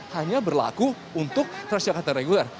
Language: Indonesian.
hanya berlaku untuk transjakarta reguler